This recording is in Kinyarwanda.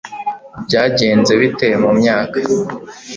byagenze bite mu myaka